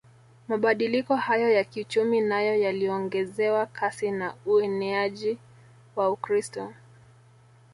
Mabadiliko hayo ya kiuchumi nayo yaliongezewa kasi na ueneaji wa Ukristo